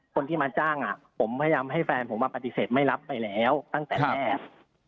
คนที่มาจ้างผมพยายามให้แฟนผมมาปฏิเสธไม่รับไปแล้วตั้งแต่แรก